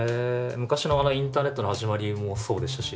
昔のあのインターネットの始まりもそうでしたし